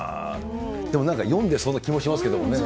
でもなんか、読んでそうな気もしますけれどもね。